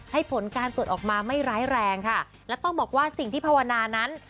ผลการตรวจออกมาไม่ร้ายแรงค่ะและต้องบอกว่าสิ่งที่ภาวนานั้น